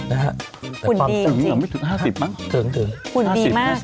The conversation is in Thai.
แต่ความสูงเหมือนไม่ถึง๕๐บาทหุ่นดีมาก